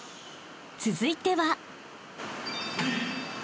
［続いては］